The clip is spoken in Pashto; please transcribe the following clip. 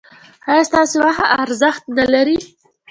ایا ستاسو وخت ارزښت نلري؟